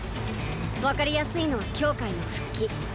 分かりやすいのは羌の復帰。